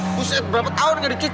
buset berapa tahun gak dicuci